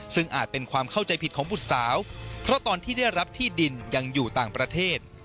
ซึ่งอาจเป็นความเข้าใจผิดของบุตรสาวเพราะตอนที่ได้รับที่ดินยังอยู่ต่างประเทศ